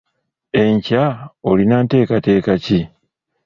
Enkya olina nteekateeka ki?